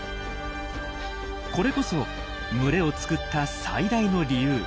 これこそ群れを作った最大の理由。